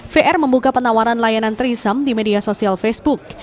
vr membuka penawaran layanan trisam di media sosial facebook